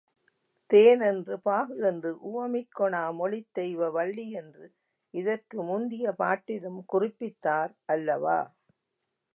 தேன் என்று பாகு என்று உவமிக்கொணா மொழித் தெய்வ வள்ளி என்று இதற்கு முந்திய பாட்டிலும் குறிப்பித்தார் அல்லவா?